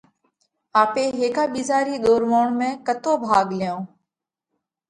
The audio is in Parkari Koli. آپي هيڪا ٻِيزا رِي ۮوروَوڻ ۾ ڪتو ڀاڳ ليونه؟